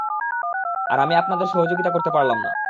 আর আমি আপনাদের সহযোগিতা করতে পারলাম না।